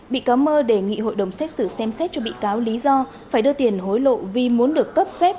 bị cáo mơ đề nghị hội đồng xét xử xem xét cho bị cáo lý do phải đưa tiền hối lộ vì muốn được cấp phép